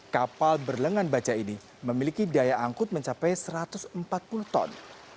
kapal berlengan baca ini memiliki daya angkut mencapai satu ratus empat puluh ton